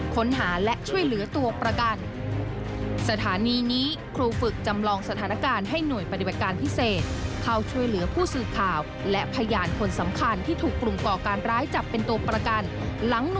การงานสุดท้ายนี้อีกอย่าง